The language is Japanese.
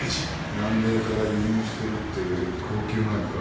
南米から輸入してるっていう高級麻薬か。